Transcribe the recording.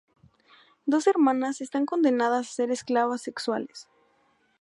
Dos hermanastras están condenadas a ser esclavas sexuales.